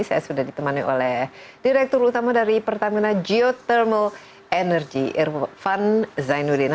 saya sudah ditemani oleh direktur utama dari pertamina geothermal energy van zainuddin